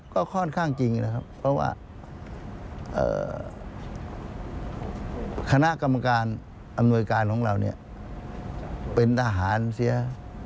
ก็ค่อนข้างจริงนะครับเพราะว่าคณะกรรมการอำนวยการของเราเนี่ยเป็นทหารเสีย